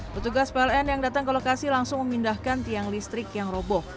petugas pln yang datang ke lokasi langsung memindahkan tiang listrik yang roboh